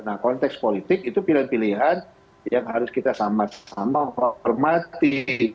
nah konteks politik itu pilihan pilihan yang harus kita sama sama hormati